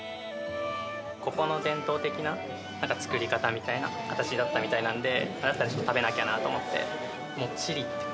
ここの伝統的な作り方みたいな形だったみたいなんで、だったらちょっと食べなきゃなと思って。